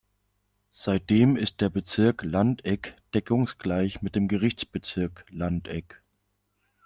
Seitdem ist der Bezirk Landeck deckungsgleich mit dem Gerichtsbezirk Landeck.